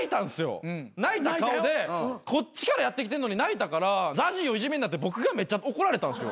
こっちからやってきてんのに泣いたから「ＺＡＺＹをいじめんな」って僕がめっちゃ怒られたんすよ。